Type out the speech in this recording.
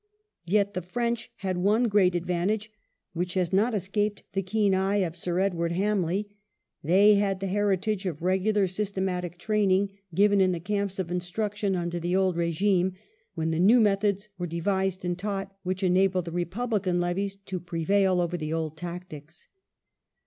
Yet the French had one great advantage, which has not escaped the keen eye of Sir Edward Hamley. They had the heritage of regular systematic training given in the camps of instruc tion under the old regime, when the new methods were devised and taught which enabled the Eepublican levies to prevail over the old tactics.